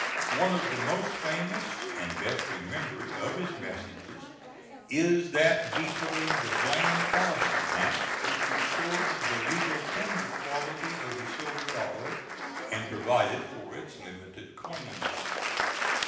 One of the most famous and best remembered of his messages is that vetoing the Bland Allison Act, which restored the legal tender quality to the silver dollar and provided for its limited coinage.